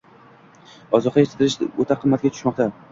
Ozuqa etishtirish o`ta qimmatga tushmoqda